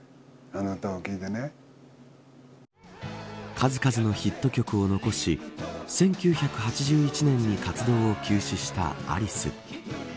数々のヒット曲を残し１９８１年に活動を休止したアリス。